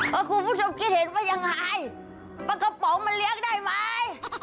คุณผู้ชมคิดเห็นว่ายังไงปลากระป๋องมันเลี้ยงได้ไหม